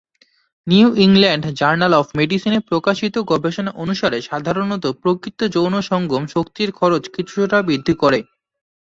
New England journal of মেডিসিনে প্রকাশিত গবেষণা অনুসারে সাধারণত প্রকৃত যৌন সঙ্গম শক্তির খরচ কিছুটা বৃদ্ধি করে।